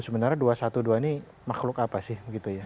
sebenarnya dua ratus dua belas ini makhluk apa sih